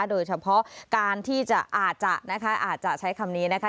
โดยเฉพาะการที่จะอาจจะนะคะอาจจะใช้คำนี้นะคะ